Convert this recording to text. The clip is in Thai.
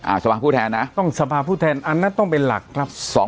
สภาพผู้แทนนะต้องสภาพผู้แทนอันนั้นต้องเป็นหลักครับ